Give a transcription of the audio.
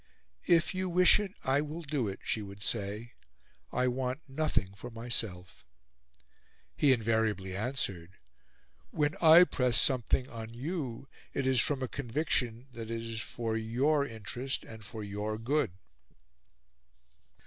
"If you wish it, I will do it," she would say. "I want nothing for myself," he invariably answered; "When I press something on you, it is from a conviction that it is for your interest and for your good."